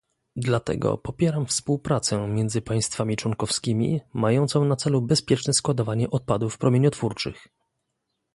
Dlatego popieram współpracę między państwami członkowskimi mającą na celu bezpieczne składowanie odpadów promieniotwórczych